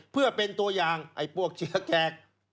เพื่อเป็นตัวอย่างไอ้พวกเชื้อแขก